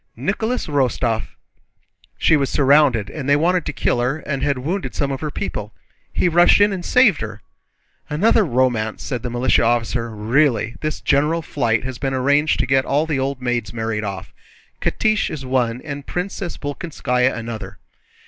Nicholas Rostóv! She was surrounded, and they wanted to kill her and had wounded some of her people. He rushed in and saved her...." "Another romance," said the militia officer. "Really, this general flight has been arranged to get all the old maids married off. Catiche is one and Princess Bolkónskaya another."